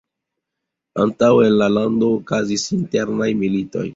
Antaŭe en la lando okazis internaj militoj.